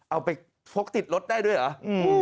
เอาไปพกติดรถได้ด้วยเหรอ